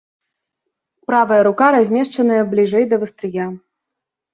Правая рука размешчаная бліжэй да вастрыя.